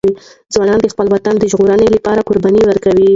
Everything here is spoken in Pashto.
ځوانان د خپل وطن د ژغورنې لپاره قرباني ورکوي.